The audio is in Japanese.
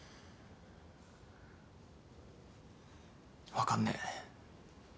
分かんねえ。